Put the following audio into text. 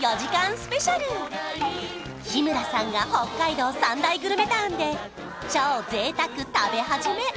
スペシャル日村さんが北海道３大グルメタウンで超ぜいたく食べはじめ！